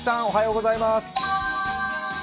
おはようございます